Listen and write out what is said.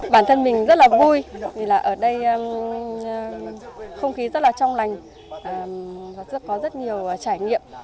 bản thân mình rất là vui vì là ở đây không khí rất là trong lành và rất có rất nhiều trải nghiệm